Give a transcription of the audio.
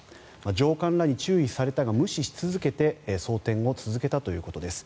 上官らに注意されたが無視し続けて装てんを続けたということです。